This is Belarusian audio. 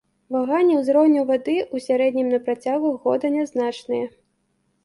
Ваганні ўзроўню вады ў сярэднім на працягу года нязначныя.